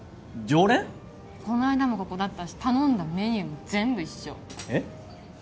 この間もここだったし頼んだメニューも全部一緒えっ？